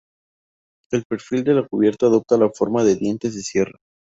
El perfil de la cubierta adopta la forma de dientes de sierra.